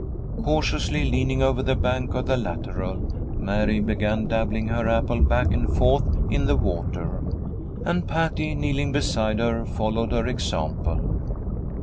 Cautiously leaning over the bank of the lateral, Mary began dabbling her apple back and forth in the water, and Patty, kneeling beside her, followed her example.